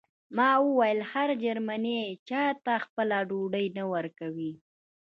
ما وویل هر جرمنی چاته خپله ډوډۍ نه ورکوي